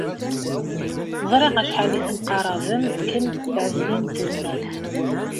Ẓriɣ acḥal i temqarabem kemm s Ɛezdin n Tezmalt.